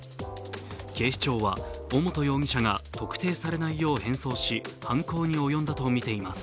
警視庁は尾本容疑者が特定されないよう変装し犯行に及んだとみています。